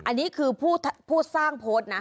อันนี้คือผู้สร้างโพสต์นะ